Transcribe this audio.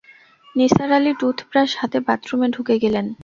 Nisar Ali toothbrush হাতে বাথরুমে ঢুকে গেলেন।